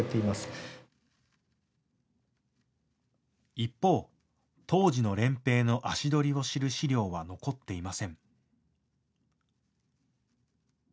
一方、当時の漣平の足取りを知る資料は残っていません。